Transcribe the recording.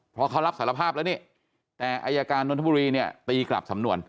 เพราะเขารับสารภาพแล้วนี่แต่อายการนทบุรีเนี่ยตีกลับสำนวน